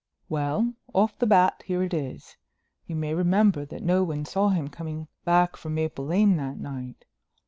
"Well—off the bat here it is. You may remember that no one saw him coming back from Maple Lane that night.